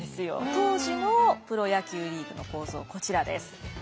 当時のプロ野球リーグの構造こちらです。